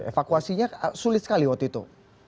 evakuasinya sulit sekali waktu itu